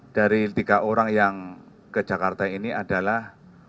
dari tiga orang yang ke jakarta ini adalah